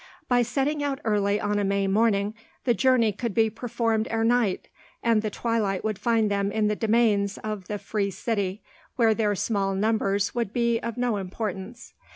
By setting out early on a May morning, the journey could be performed ere night, and the twilight would find them in the domains of the free city, where their small numbers would be of no importance.